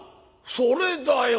それだよ。